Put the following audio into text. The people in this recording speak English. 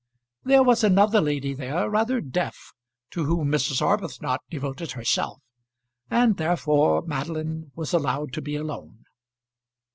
There was another lady there, rather deaf, to whom Mrs. Arbuthnot devoted herself, and therefore Madeline was allowed to be alone.